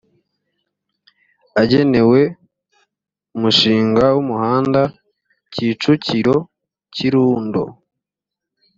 agenewe umushinga w umuhanda kicukirokirundo